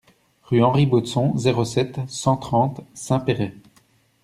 Rue Henri Baudson, zéro sept, cent trente Saint-Péray